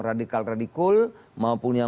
radikal radikul maupun yang